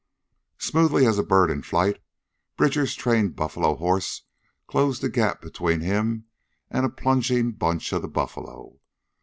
Smoothly as a bird in flight, Bridger's trained buffalo horse closed the gap between him and a plunging bunch of the buffalo.